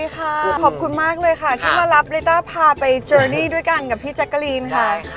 ขอบคุณมากเลยค่ะที่มารับลิต้าพาไปเจอนี่ด้วยกันกับพี่แจ๊กกะรีนค่ะ